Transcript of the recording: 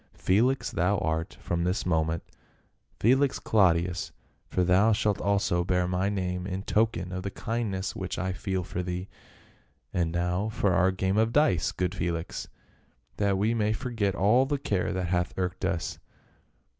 " Felix thou art from this moment. Felix Claudius — for thou shalt also bear my name in token of the kindness which I feel for thee. And now for our game of dice, good Felix, that we may forget all the care that hath irked us